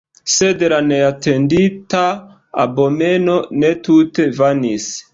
Sed la neatendita abomeno ne tute vanis.